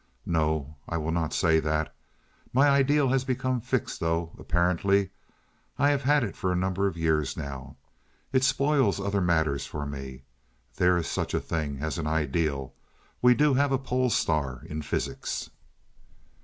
"No, I will not say that. My ideal has become fixed, though, apparently. I have had it for a number of years now. It spoils other matters for me. There is such a thing as an ideal. We do have a pole star in physics."